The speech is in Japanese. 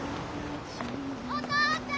お父ちゃん！